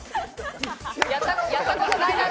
やったことないだろ！